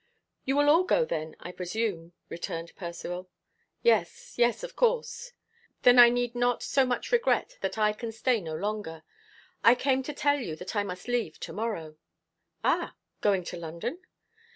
"You will all go, then, I presume?" returned Percivale. "Yes, yes; of course." "Then I need not so much regret that I can stay no longer. I came to tell you that I must leave to morrow." "Ah! Going to London?"